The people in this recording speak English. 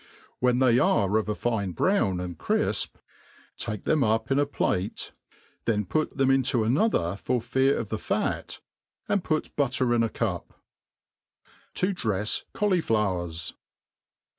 When they are of a fijie brown, and crifp, take them up in a pUte» then Made plain and easy. 17 then put them into another for fear of the fat, and put butter in a cup. To drefs Cauliflowers.